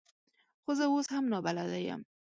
خو زه اوس هم نابلده یم .